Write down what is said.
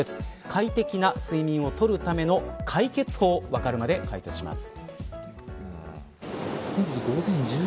この季節快適な睡眠を取るための解決法わかるまで解説します。